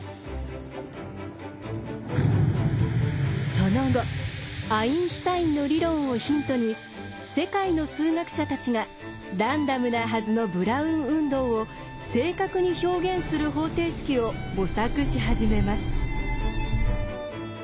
その後アインシュタインの理論をヒントに世界の数学者たちがランダムなはずのブラウン運動を正確に表現する方程式を模索し始めます。